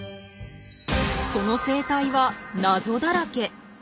その生態は謎だらけ。